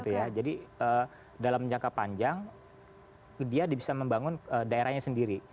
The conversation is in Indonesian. karena dalam jangka panjang dia bisa membangun daerahnya sendiri